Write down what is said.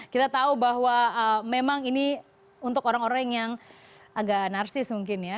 kita tahu bahwa memang ini untuk orang orang yang agak narsis mungkin ya